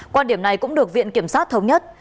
quan điểm này cũng được viện kiểm sát thống nhất